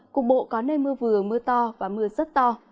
cục bộ có nơi mưa vừa mưa to và mưa rất to